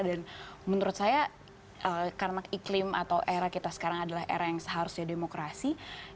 dan menurut saya karena iklim atau era kita sekarang adalah era yang seharusnya demokrasi